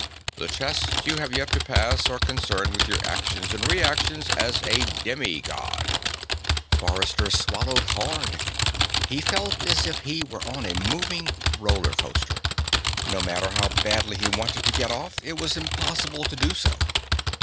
The tests you have yet to pass are concerned with your actions and reactions as a demi God." Forrester swallowed hard. He felt as if he were on a moving roller coaster. No matter how badly he wanted to get off, it was impossible to do so.